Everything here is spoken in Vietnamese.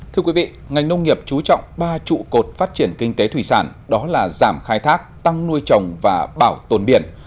thưa quý vị ngành nông nghiệp trú trọng ba trụ cột phát triển kinh tế thủy sản đó là giảm khai thác tăng nuôi trồng và bảo tồn biển